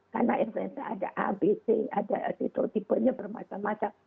karena influenza ada abc ada artisotipenya bermacam macam